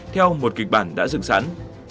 theo một kịch bản đã dựng sẵn